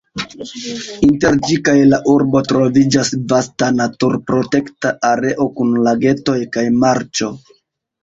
Inter ĝi kaj la urbo troviĝas vasta naturprotekta areo kun lagetoj kaj marĉo.